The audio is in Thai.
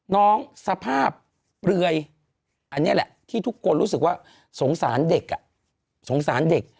สภาพเปลือยอันนี้แหละที่ทุกคนรู้สึกว่าสงสารเด็กสงสารเด็ก